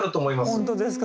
本当ですか。